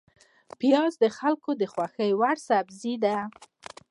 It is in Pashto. پیاز د خلکو د خوښې وړ سبزی ده